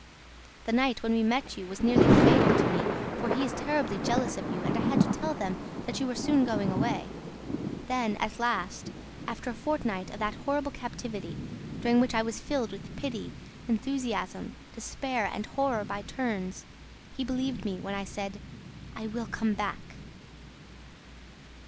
The night when we met you was nearly fatal to me, for he is terribly jealous of you and I had to tell him that you were soon going away ... Then, at last, after a fortnight of that horrible captivity, during which I was filled with pity, enthusiasm, despair and horror by turns, he believed me when I said, 'I WILL COME BACK!'"